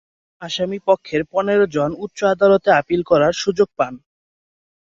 আসামি পক্ষের পনেরো জন উচ্চ আদালতে আপিল করার সুযোগ পান।